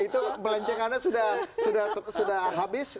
itu belancengannya sudah habis